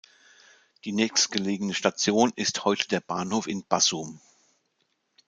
Die nächstgelegene Station ist heute der Bahnhof in Bassum.